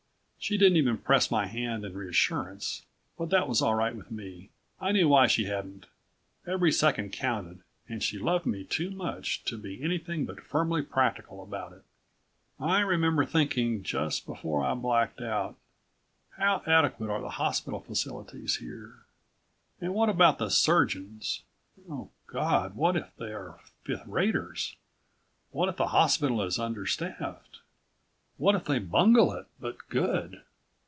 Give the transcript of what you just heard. She didn't even press my hand in reassurance, but that was all right with me. I knew why she hadn't. Every second counted, and she loved me too much to be anything but firmly practical about it. I remember thinking, just before I blacked out, _how adequate are the hospital facilities here? And what about the surgeons? Oh God, what if they are fifth raters, what if the hospital is understaffed? What if they bungle it, but good?